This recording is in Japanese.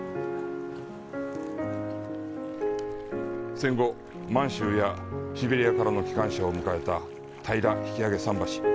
戦後、満州やシベリアからの帰還者を迎えた平引揚桟橋。